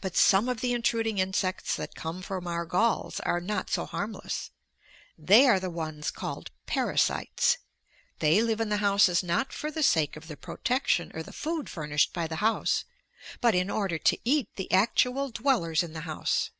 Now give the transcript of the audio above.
But some of the intruding insects that come from our galls are not so harmless. They are the ones called parasites. They live in the houses not for the sake of the protection or the food furnished by the house, but in order to eat the actual dwellers in the house.